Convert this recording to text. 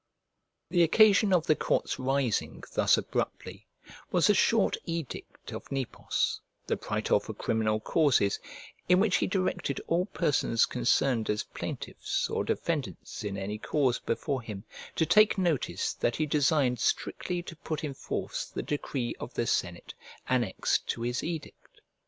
The occasion of the court's rising thus abruptly was a short edict of Nepos, the praetor for criminal causes, in which he directed all persons concerned as plaintiffs or defendants in any cause before him to take notice that he designed strictly to put in force the decree of the senate annexed to his edict.